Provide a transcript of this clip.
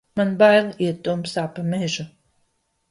Man bail iet tumsā pa mežu!